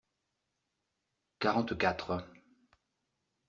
Quarante-quatre.